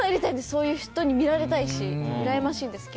そういう人に見られたいしちゃんとしたいんですけど。